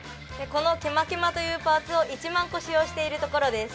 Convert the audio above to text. このケマケマというパーツを１万パーツ使用しているところです